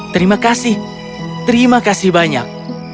terima kasih terima kasih banyak